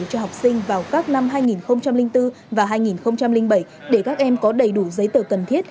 cho học sinh vào các năm hai nghìn bốn và hai nghìn bảy để các em có đầy đủ giấy tờ cần thiết